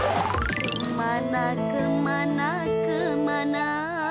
kemana kemana kemana